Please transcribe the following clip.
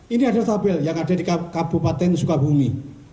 ini ada tabel yang ada di kabupaten sukabumi